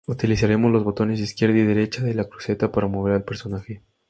Utilizaremos los botones "izquierda" y "derecha" de la cruceta para mover al personaje.